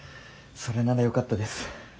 それならよかったです。